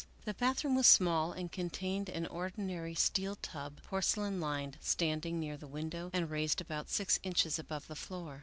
The bathroom was small and contained an ordinary steel tub, porcelain lined, standing near the window and raised about six inches above the floor.